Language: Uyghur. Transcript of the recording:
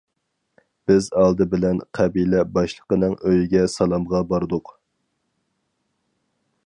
بىز ئالدى بىلەن قەبىلە باشلىقىنىڭ ئۆيىگە سالامغا باردۇق.